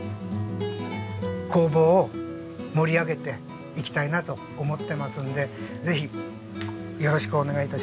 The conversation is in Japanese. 工房を盛り上げていきたいなと思ってますのでぜひよろしくお願い致します。